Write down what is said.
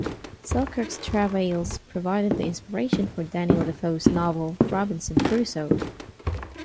Selkirk's travails provided the inspiration for Daniel Defoe's novel "Robinson Crusoe".